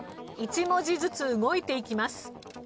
１文字ずつ動いていきます。